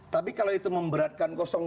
tapi kalau itu memberatkan dua